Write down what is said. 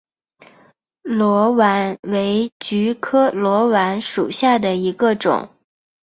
裸菀为菊科裸菀属下的一个种。